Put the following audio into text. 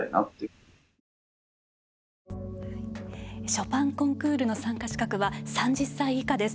ショパンコンクールの参加資格は３０歳以下です。